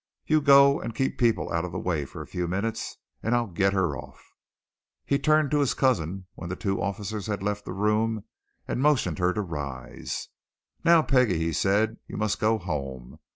"You go and keep people out of the way for a few minutes, and I'll get her off." He turned to his cousin when the two officers had left the room and motioned her to rise. "Now, Peggie," he said, "you must go home.